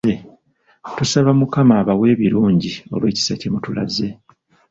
Tusaba mukama abawe ebirungi olw’ekisa kye mutulaze.